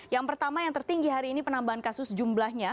yang pertama yang tertinggi hari ini penambahan kasus jumlahnya